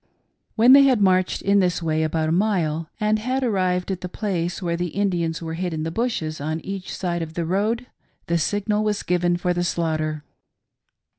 When they had marched in this way about a mile and had arrived at the place where the Indians were hid in the bushes on each side of the road, the signal was given for the slaughter.